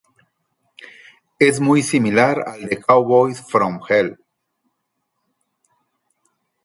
Es muy similar al de Cowboys From Hell.